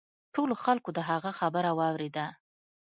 ټولو خلکو د هغه خبره واوریده.